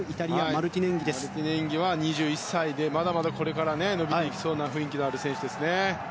マルティネンギは２１歳でまだまだこれから伸びていきそうな雰囲気のある選手ですね。